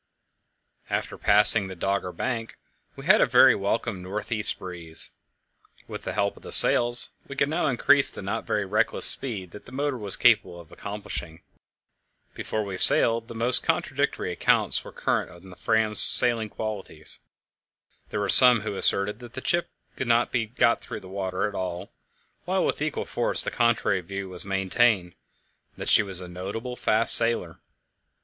After passing the Dogger Bank we had a very welcome north east breeze; with the help of the sails we could now increase the not very reckless speed that the motor was capable of accomplishing. Before we sailed, the most contradictory accounts were current of the Fram's sailing qualities. There were some who asserted that the ship could not be got through the water at all, while with equal force the contrary view was maintained that she was a notable fast sailer.